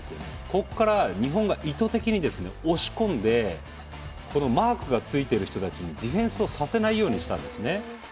ここから日本が意図的に押し込んでマークがついてる人たちにディフェンスをさせないようにしたんですね。